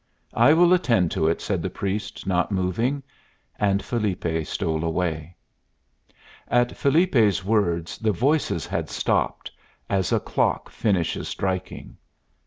"I will attend to it," said the priest, not moving. And Felipe stole away. At Felipe's words the voices had stopped, as a clock finishes striking.